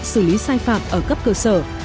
xử lý sai phạm ở cấp cơ sở